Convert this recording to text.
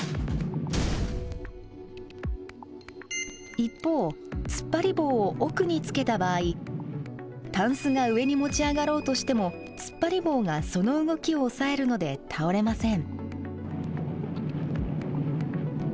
一方つっぱり棒を奥につけた場合タンスが上に持ち上がろうとしてもつっぱり棒がその動きを押さえるので倒れません。